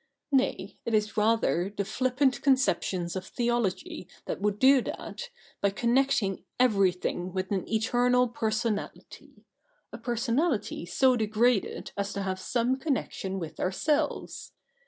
Nay, it is rather the flippant conceptions of theology that would do that, by connect ing everything with an eternal Personality — a personality so degraded as to have some connection with ourselves.